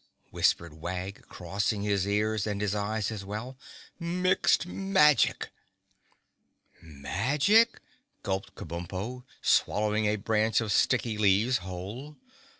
whispered Wag, crossing his ears and his eyes as well. "Mixed Magic!" "Magic?" gulped Kabumpo, swallowing a branch of sticky leaves whole.